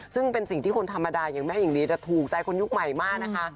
ซึ่งเป็นสิ่งที่คนธรรมดาอย่างแม่หญิงลีจะถูกใจคนยุคใหม่มากนะคะ